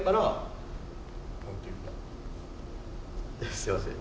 すみません。